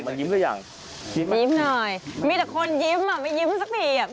มีแต่คนยิ้มไม่ยิ้มสักที